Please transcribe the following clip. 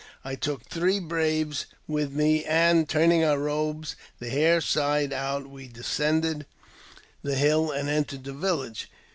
I took three braves with me,, and, turning our robes the hair side out, we descended the hil and entered the village.